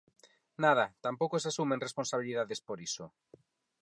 Nada, tampouco se asumen responsabilidades por iso.